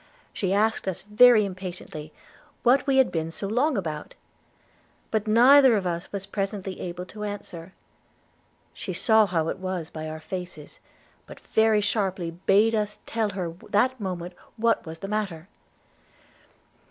She asked us very impatiently, what we had been so long about? but neither of us was presently able to answer. She saw how it was by our faces, but very sharply bade us tell her that moment what was the matter.